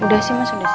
udah sih mas udah siap